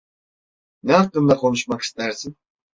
Ne hakkında konuşmak istersin?